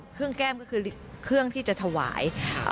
แก้มก็คือเครื่องที่จะถวาย